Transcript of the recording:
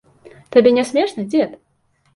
Табе не смешна, дзед?